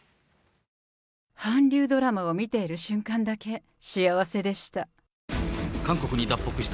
韓流ドラマを見ている瞬間だけ、幸せでした。